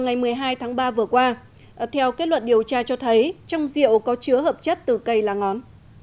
ngày một mươi hai tháng ba vừa qua theo kết luận điều tra cho thấy trong rượu có chứa hợp chất từ cây lá ngón